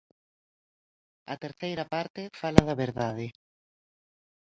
A terceira parte fala da verdade.